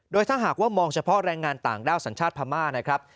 โดยถ้าหากว่ามองเฉพาะแรงงานต่างด้าวสัญชาติพม่านะครับ